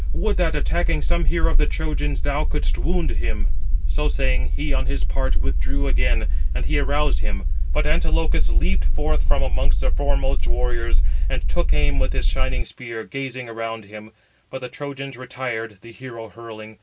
Would 499 that, attacking some hero of the Trojans, thou couldst wound him." Footnote 499: (return) Εἰ is put for εἴθε. So saying, he on his part withdrew again, and he aroused him. But he (Antilochus) leaped forth from amongst the foremost warriors, and took aim with his shining spear, gazing around him; but the Trojans retired, the hero hurling.